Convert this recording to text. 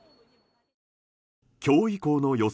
今日以降の予想